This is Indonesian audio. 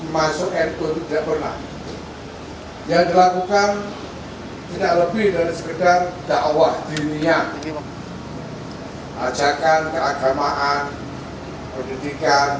menitulah dari bni juga hadir ya alhamdulillah